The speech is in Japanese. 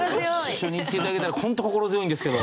一緒に行って頂けたらホント心強いんですけど。